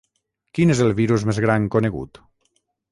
Quin és el virus més gran conegut?